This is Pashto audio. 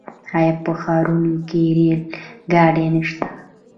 آیا په ښارونو کې ریل ګاډي نشته؟